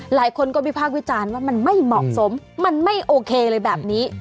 หลายคนก็วิพากษ์วิจารณ์ว่ามันไม่เหมาะสมมันไม่โอเคเลยแบบนี้